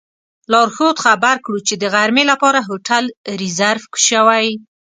لارښود خبر کړو چې د غرمې لپاره هوټل ریزرف شوی.